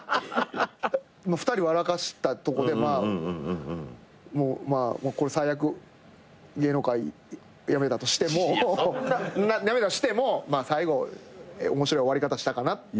２人笑かしたとこでもうまあ最悪芸能界辞めたとしても最後面白い終わり方したかなと。